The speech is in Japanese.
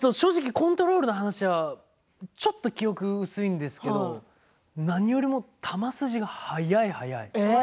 コントロールの話はちょっと記憶が薄いんですけれど何よりも球筋が速い速い。